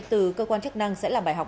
từ cơ quan chức năng sẽ làm bài học